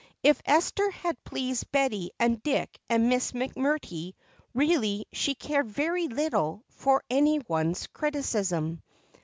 If Esther had pleased Betty and Dick and Miss McMurtry, really she cared very little for any one else's criticism.